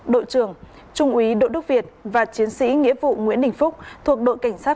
đội trưởng trung úy đội đức việt và chiến sĩ nghĩa vụ nguyễn đình phúc thuộc đội cảnh sát